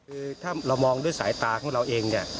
คือถ้าเรามองด้วยสายตาของเราเองเนี่ย